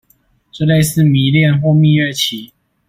這類似迷戀或蜜月期